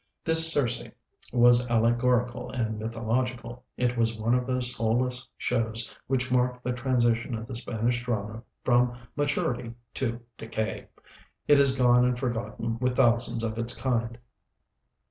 This 'Circe' was allegorical and mythological; it was one of those soulless shows which marked the transition of the Spanish drama from maturity to decay. It is gone and forgotten with thousands of its kind.